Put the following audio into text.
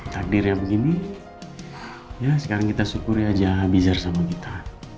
takdir yang begini ya sekarang kita syukuri aja abisar sama kita